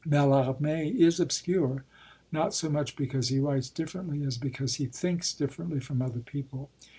Mallarmé is obscure, not so much because he writes differently as because he thinks differently from other people.